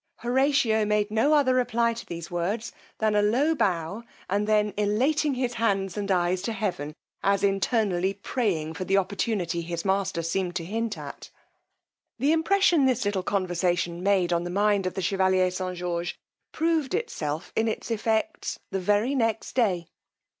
Horatio made no other reply to these words than a low bow, and then elating his hands and eyes to heaven, as internally praying for the opportunity his master seemed to hint at. The impression this little conversation made on the mind of the chevalier St. George, proved itself in its effects the very next day.